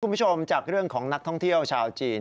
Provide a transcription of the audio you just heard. คุณผู้ชมจากเรื่องของนักท่องเที่ยวชาวจีน